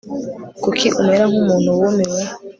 kuki umera nk umuntu wumiwe